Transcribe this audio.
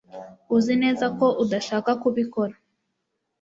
uzi neza ko udashaka kubikora